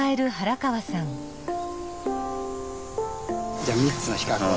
じゃあ３つの比較を。